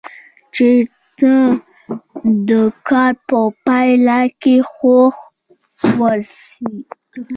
چې ته د کار په پای کې خوښ اوسې.